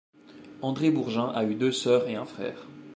André Bourgin a eu deux sœurs et un frère.